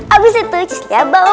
abis itu just lianya bawa